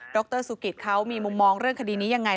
รสุกิตเขามีมุมมองเรื่องคดีนี้ยังไง